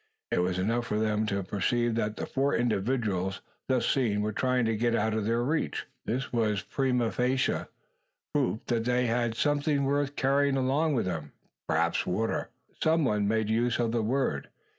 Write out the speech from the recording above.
It was enough for them to perceive that the four individuals thus seen were trying to get out of their reach. This was prima facie proof that they had something worth carrying along with them; perhaps water! Some one made use of the word.